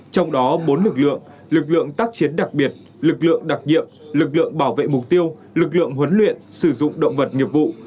trong đó bốn lực lượng lực lượng tác chiến đặc biệt lực lượng đặc nhiệm lực lượng bảo vệ mục tiêu lực lượng huấn luyện sử dụng động vật nghiệp vụ